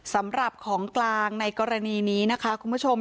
สำหรับของกลางในกรณีนี้นะคะคุณผู้ชม